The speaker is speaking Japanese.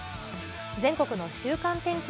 全国の週間天気。